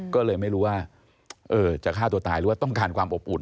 ก็เลยไม่รู้ว่าจะฆ่าตัวตายหรือว่าต้องการความอบอุ่น